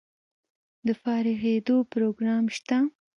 د فارغیدو پروګرام شته؟